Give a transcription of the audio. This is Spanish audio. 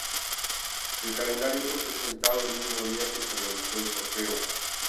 El calendario fue presentado el mismo día que se realizó el sorteo.